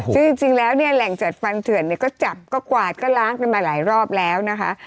ซึ่งจริงแล้วเนี่ยแหล่งจัดฟันเถื่อนเนี่ยก็จับก็กวาดก็ล้างกันมาหลายรอบแล้วนะคะ